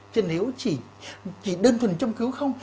chứ nếu chỉ đơn thuần châm cứu không